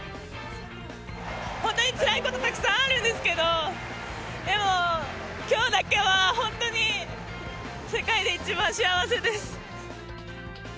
本当につらいことたくさんあるんですけど、でも、きょうだけは、本当に世界で一番幸せです。